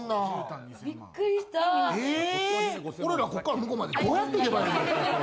俺らこっから向こうまでどうやっていけばいいの。